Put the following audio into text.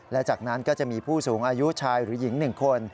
และจากนั้นก็จะมีผู้สูงอายุชายหรือหญิง๑คน